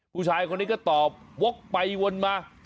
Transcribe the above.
ผู้ชายคนนี้ก็ตอบวกไปวนมา